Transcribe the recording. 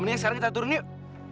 mendingan sekarang kita turun yuk